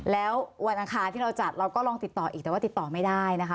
แล้ววันอังคารที่เราจัดเราก็ลองติดต่ออีกแต่ว่าติดต่อไม่ได้นะคะ